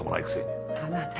あなた。